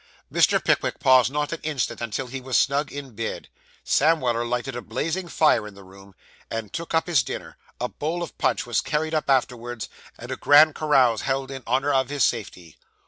Mr. Pickwick paused not an instant until he was snug in bed. Sam Weller lighted a blazing fire in the room, and took up his dinner; a bowl of punch was carried up afterwards, and a grand carouse held in honour of his safety.